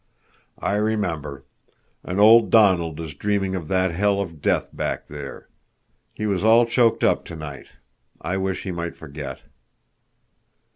"I remember. And old Donald is dreaming of that hell of death back there. He was all choked up tonight. I wish he might forget."